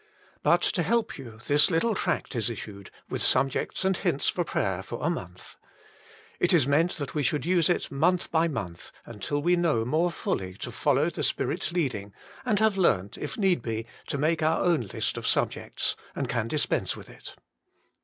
But to help you this little tract is issued, with subjects and hints for prayer for a month. It is meant that we should use it month by month, until we know more fully to follow the Spirit s leading, and have learnt, if need be, to make our own list of subjects, and can dispense with it.